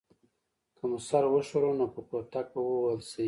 که مو سر وښوراوه نو په کوتک به ووهل شئ.